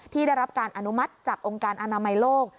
ได้รับการอนุมัติจากองค์การอนามัยโลก